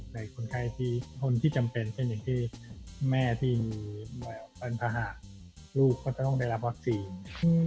แต่คนไทยที่คนที่จำเป็นเช่นอย่างที่แม่ที่มีแบบเป็นพระหากลูกก็จะต้องได้รับวัคซีน